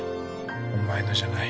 お前のじゃない。